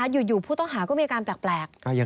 มีโอเคแล้วอยู่ผู้ต้องหาก็มีอาการแปลก